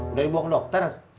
udah dibawa ke dokter